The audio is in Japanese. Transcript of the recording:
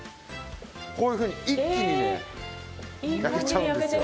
こういうふうに一気にね焼けちゃうんですよ